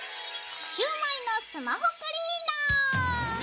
シュウマイのスマホクリーナー！